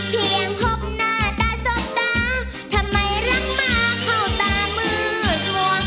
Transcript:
พบหน้าตาสบตาทำไมรักหมาเข้าตามือชัว